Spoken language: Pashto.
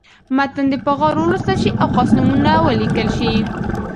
متن دې په غور ولوستل شي او خاص نومونه ولیکل شي.